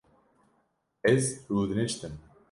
Ez rûdiniştim